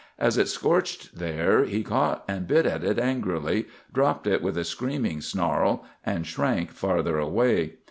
As it scorched there, he caught and bit at it angrily, dropped it with a screaming snarl, and shrank farther away.